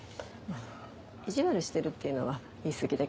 意地悪してるっていうのは言いすぎだけど。